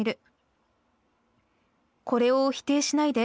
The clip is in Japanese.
これを否定しないで。